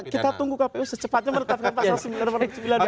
ya kita tunggu kpu secepatnya menetapkan pasal sembilan ratus sembilan puluh dua